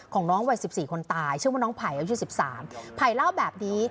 ของน้องวัยสิบสี่คนตายเชื่อว่าน้องไผ่อายุสิบสามไผ่เล่าแบบนี้